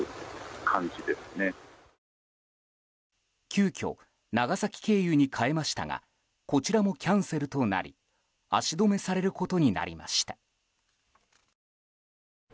急きょ長崎経由に変えましたがこちらもキャンセルとなり足止めされることになりました。